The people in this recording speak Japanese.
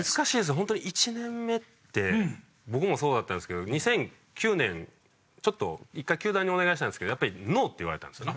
ホントに１年目って僕もそうだったんですけど２００９年ちょっと一回球団にお願いしたんですけどやっぱりノーって言われたんですよね。